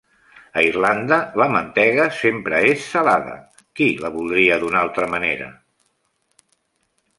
A Irlanda, la mantega sempre és salada. Qui la voldria d'una altra manera?